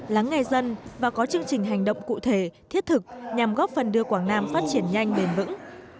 lắng nghe dân và có chương trình hành động cụ thể thiết thực nhằm góp phần đưa quảng nam phát triển nhanh bền vững